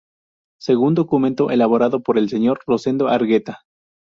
Según documento elaborado por el señor Rosendo Argueta.